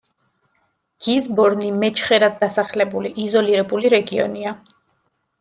გიზბორნი მეჩხერად დასახლებული, იზოლირებული რეგიონია.